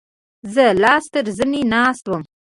زه لاس تر زنې ناست وم.